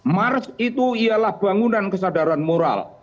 mars itu ialah bangunan kesadaran moral